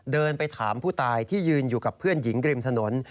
เดินไปถามผู้ตายที่ยืนอยู่กับเพื่อนหญิงริมถนน